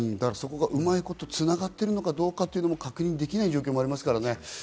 うまいこと繋がってるのかどうかも確認できない状況がありますからね。